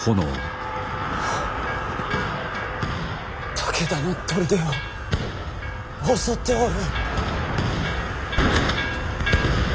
武田の砦を襲っておる！